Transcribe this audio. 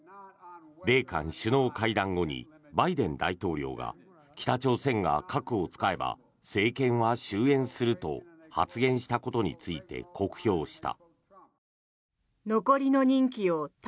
米韓首脳会談後にバイデン大統領が北朝鮮が核を使えば政権は終えんすると発言したことについて酷評した。